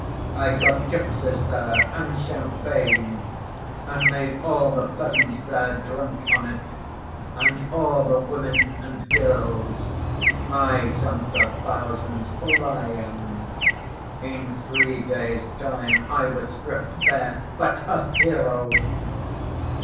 I got gypsies there and champagne and made all the peasants there drunk on it, and all the women and girls. I sent the thousands flying. In three days' time I was stripped bare, but a hero.